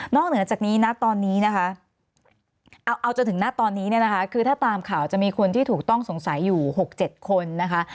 เหนือจากนี้นะตอนนี้นะคะเอาจนถึงณตอนนี้เนี่ยนะคะคือถ้าตามข่าวจะมีคนที่ถูกต้องสงสัยอยู่๖๗คนนะคะ